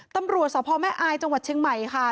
ตำรวจสพแม่อายจังหวัดเชียงใหม่ค่ะ